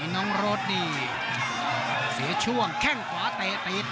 น้องรถนี่เสียช่วงแข้งขวาเตะตีด